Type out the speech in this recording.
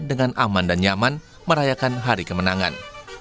dengan aman dan nyaman merayakan hari kemenangan